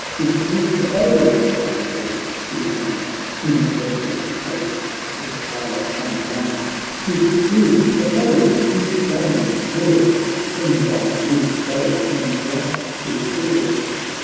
" It is the foe !" cried Boyd, who came In breathless haste with eye on flame, —" It is the foe !— Each valiant lord Fling by his bow, and grasp his sword